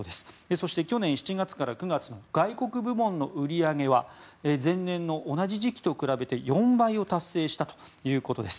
そして、去年７月から９月の外国部門の売り上げは前年の同じ時期と比べて４倍を達成したということです。